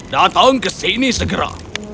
datang ke sini segera